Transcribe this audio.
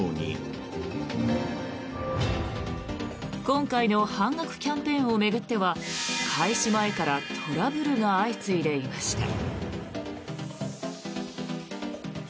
今回の半額キャンペーンを巡っては開始前からトラブルが相次いでいました。